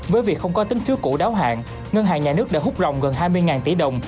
với việc không có tính phiếu cũ đáo hạn ngân hàng nhà nước đã hút rồng gần hai mươi tỷ đồng